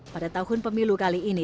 pada tahun pemilu kali ini